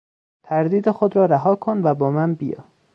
تردید خود را رها کن و با من بیا.